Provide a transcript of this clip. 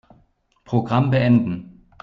Programm beenden.